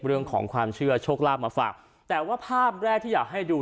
เรื่องของความเชื่อโชคลาภมาฝากแต่ว่าภาพแรกที่อยากให้ดู